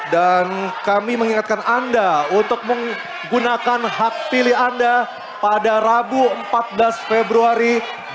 dan kami mengingatkan anda untuk menggunakan hak pilih anda pada rabu empat belas februari dua ribu dua puluh empat